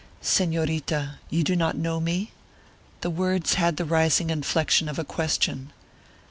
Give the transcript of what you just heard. "Señorita, you do not know me?" The words had the rising inflection of a question.